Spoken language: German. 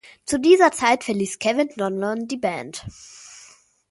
Zu dieser Zeit verließ Kevin Donlon die Band.